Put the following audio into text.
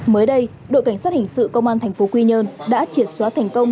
mới đây đội cảnh sát hình sự công an tp quy nhơn đã triệt xóa thành công